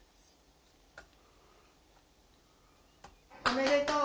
おめでとう。